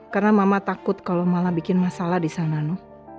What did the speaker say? karena mama takut kalau malah bikin masalah disana no